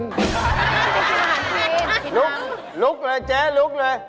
เดี๋ยวเองก็บอกอาหารคีนลุกเลยเจ๊ลุกเลย